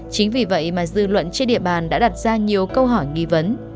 chính vì vậy mà dư luận trên địa bàn đã đặt ra nhiều câu hỏi nghi vấn